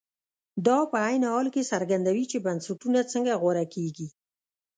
دا په عین حال کې څرګندوي چې بنسټونه څنګه غوره کېږي.